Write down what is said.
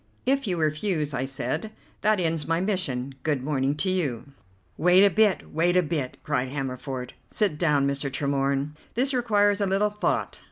"If you refuse," I said, "that ends my mission. Good morning to you." "Wait a bit, wait a bit," cried Cammerford, "sit down, Mr. Tremorne. This requires a little thought.